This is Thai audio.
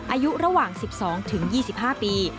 อายุระหว่าง๑๒๒๕ปี